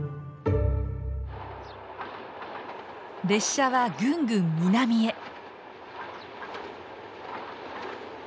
列車はぐんぐん南へ！